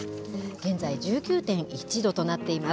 現在１９．１度となっています。